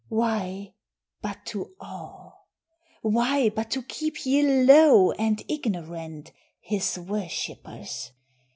Why, but to awe; Why, but to keep ye low and ignorant, His worshippers?